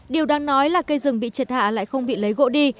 điều đang nói là cây rừng bị triệt hạ lại không bị lấy gỗ đi